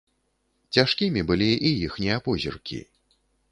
Цяжкімі былі і іхнія позіркі.